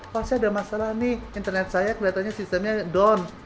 pasti ada masalah nih internet saya kelihatannya sistemnya down